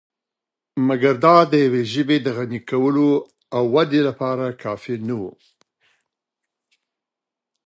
مګر دا دیوې ژبې د غني کولو او ودې لپاره کافی نه وو .